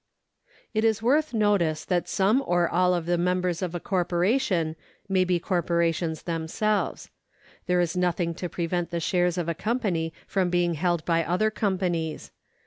It is worth notice that some or all of the members of a corporation may be corporations themselves. There is nothing to prevent the shares of a company from being held by other companies.